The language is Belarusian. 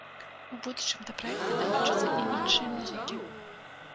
У будучым да праекта далучацца і іншыя музыкі.